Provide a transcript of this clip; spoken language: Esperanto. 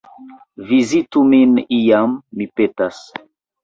Vizitu min iam, mi petas!